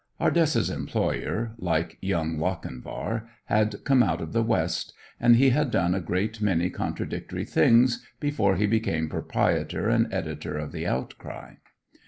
Ardessa's employer, like young Lochinvar, had come out of the West, and he had done a great many contradictory things before he became proprietor and editor of "The Outcry."